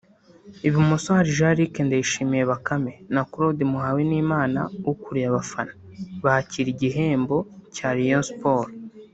Ibumoso hari Jean Luc Ndayishimiye (Bakame) na Claude Muhawenimana (ukuriye abafana) bakira igihembo cya Rayon Sports